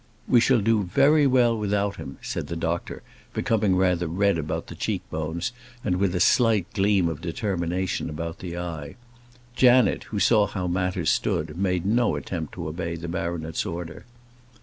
"We shall do very well without him," said the doctor, becoming rather red about the cheek bones, and with a slight gleam of determination about the eye. Janet, who saw how matters stood, made no attempt to obey the baronet's order.